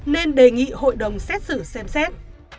nên đề nghị hội đồng xét xử xem xét